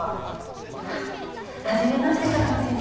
あっはじめまして鷹野先生